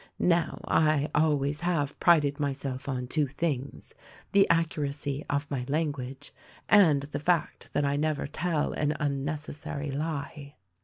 Now, I always have prided myself on two things : the accuracy of my language and the fact that 1 never tell an unnecessary lie.